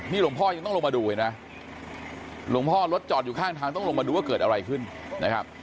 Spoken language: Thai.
หลวงพ่อยังต้องลงมาดูเห็นไหมหลวงพ่อรถจอดอยู่ข้างทางต้องลงมาดูว่าเกิดอะไรขึ้นนะครับ